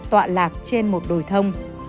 tọa lạc trên một đồi thông